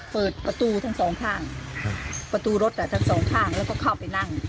เปิดประตูทั้งสองข้างประตูรถทั้งสองข้างแล้วก็เข้าไปนั่ง